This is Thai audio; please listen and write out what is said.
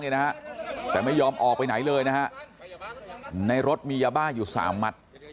นะฮะแต่ไม่ยอมออกไปไหนเลยนะฮะในรถมียาบ้าอยู่สามมัด